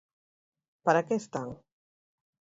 Para que están?